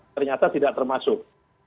ternyata tidak termasuk